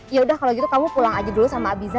yaudah kalo gitu kamu pulang aja dulu sama abiza